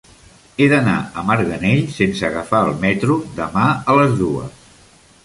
He d'anar a Marganell sense agafar el metro demà a les dues.